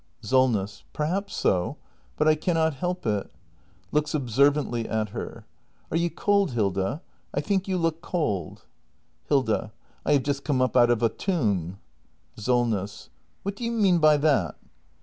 SOLNESS. Perhaps so. But I cannot help it. [Looks observantly at her.] Are you cold, Hilda? I think you look cold. Hilda. I have just come up out of a tomb. SOLNESS. What do you mean by that?